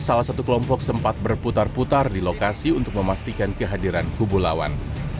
salah satu kelompok sempat berputar putar di lokasi untuk memastikan kehadiran kubu lawan